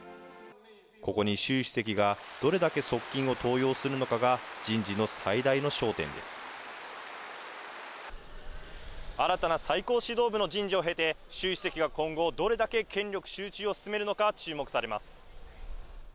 ここに習主席がどれだけ側近を登用するのかが、人事の最大の焦点新たな最高指導部の人事を経て、習主席が今後、どれだけ権力集中を進めるのか注目されます。